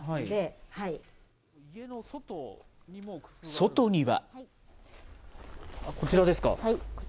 外には。